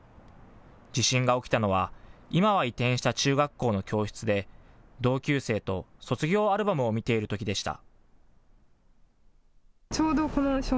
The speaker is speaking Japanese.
地震が起きたのは今は移転した中学校の教室で同級生と卒業アルバムを見ているときでした。